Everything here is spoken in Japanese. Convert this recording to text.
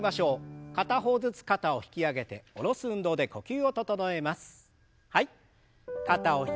片方ずつ肩を引き上げて下ろす運動で呼吸を整えます。